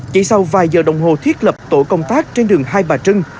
chỉ sau vài giờ đồng hồ thiết lập tổ công tác trên đường hai bà trưng